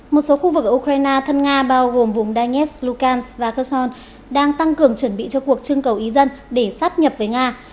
một số khu vực ở ukraine thân nga bao gồm vùng danets lukas và kasson đang tăng cường chuẩn bị cho cuộc trưng cầu ý dân để sắp nhập với nga